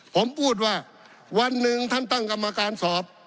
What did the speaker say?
ผมพูดว่าวันหนึ่งท่านตั้งกรรมการสอบ